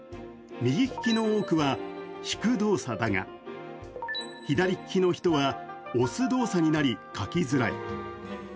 右利きの多くは、引く動作だが、左利きの人は、押す動作になり書きづらい。